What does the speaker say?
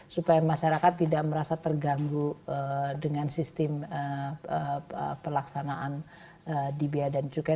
supaya masyarakat tidak merasa terganggu dengan sistem pelaksanaan di biaya dan cukai